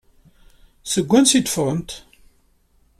Seg wansi ay d-teffɣemt?